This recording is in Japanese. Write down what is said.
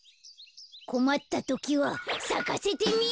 こまったときはさかせてみる。